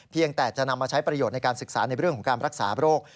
จะนำมาใช้ประโยชน์ในการศึกษาในเรื่องของการรักษาโรค